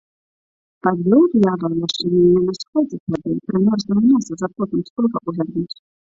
Падвёў д'ябал яшчэ мяне на сходзе тады пра мёрзлае мяса за плотам слова ўвярнуць.